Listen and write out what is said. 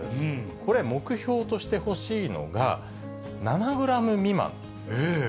これ、目標としてほしいのが、７グラム未満。